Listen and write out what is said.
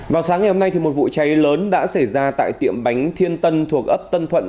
vào sáng ngày hôm nay một vụ cháy lớn đã xảy ra tại tiệm bánh thiên tân thuộc ấp tân thuận